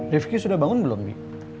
rifki sudah bangun belum bi